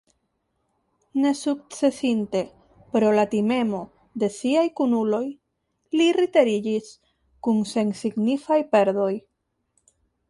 Nesukcesinte pro la timemo de siaj kunuloj, li retiriĝis kun sensignifaj perdoj.